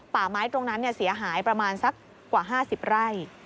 ป่าไม้ตรงนั้นเสียหายประมาณสักกว่า๕๐ไร่